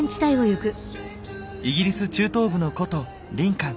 イギリス中東部の古都リンカン。